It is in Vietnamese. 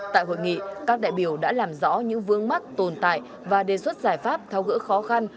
tại hội nghị các đại biểu đã làm rõ những vương mắc tồn tại và đề xuất giải pháp thao gỡ khó khăn